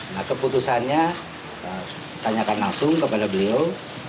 nah keputusannya tanyakan langsung kepada beliau